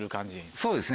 そうですね